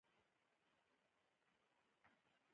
د افغانانو کلتور ډير پیاوړی دی.